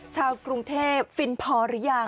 ชาวกรุงเทพฟินพอหรือยัง